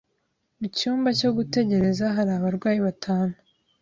Mu cyumba cyo gutegereza hari abarwayi batanu.